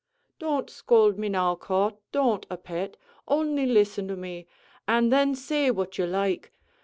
"Don't scould me, now, Cauth; don't, a pet: only listen to me, an' then say what you like.